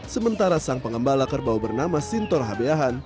sementara sang pengembala kerbau bernama sintor habeahan